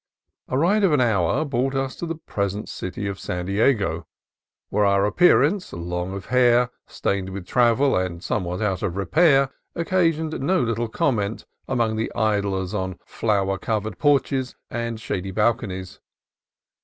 A ride of an hour brought us to the present city of San Diego, where our appearance, long of hair, stained with travel, and somewhat out of repair, occasioned no little comment among idlers on flower covered porches and shady balconies.